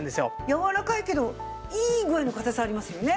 柔らかいけどいい具合の硬さありますよね。